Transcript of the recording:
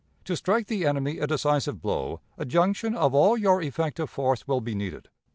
To strike the enemy a decisive blow, a junction of all your effective force will be needed.